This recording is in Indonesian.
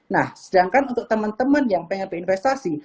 nah sedangkan untuk teman teman yang pengen berinvestasi